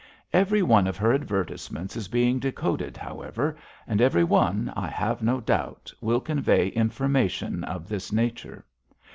"Every one of her advertisements is being decoded, however, and every one, I have no doubt, will convey information of this nature.